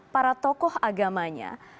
para tokoh agamanya